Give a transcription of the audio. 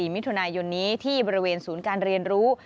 มิถุนายนนี้ที่บริเวณศูนย์การเรียนรู้